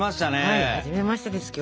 はいはじめましてですきょう。